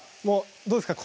どうですか？